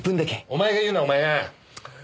お前が言うなお前が！